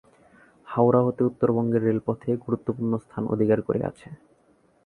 হাওড়া হতে উত্তরবঙ্গের রেলপথে গুরুত্বপূর্ণ স্থান অধিকার করে আছে।